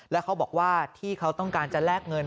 แล้วเขาบอกว่าที่เขาต้องการจะแลกเงิน